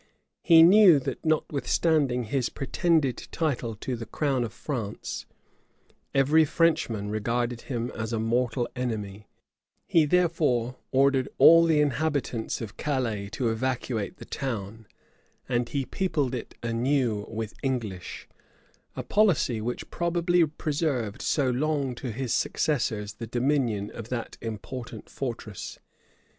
He knew that notwithstanding his pretended title to the crown of France, every Frenchman regarded him as a mortal enemy: he therefore ordered all the inhabitants of Calais to evacuate the town, and he peopled it anew with English; a policy which probably preserved so long to his successors the dominion of that important fortress.